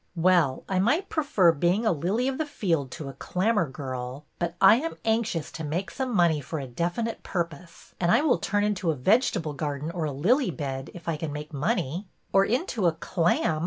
" Well, I might prefer being a lily of the field to a clammergirl, but I am anxious to make some money for a definite purpose, and I will turn into a vegetable garden or a lily bed if I can make money — or into a — clam